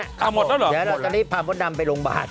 หมดแล้วหรอหมดแล้วหรอเดี๋ยวเราจะรีบพามนต์ดำไปโรงพยาบาล